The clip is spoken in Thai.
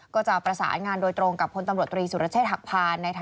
ก็จะประสานงานโดยตรงกับพลตำรวจตรีสุรเชษฐหักพาน